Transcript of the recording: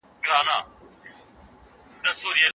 که علم په مورنۍ ژبه زده شي، نو د پوهیدو پروسه آسانه وي.